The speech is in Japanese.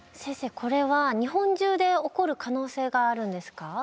先生これは日本中で起こる可能性があるんですか？